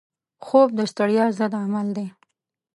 خوب د ستړیا ضد عمل دی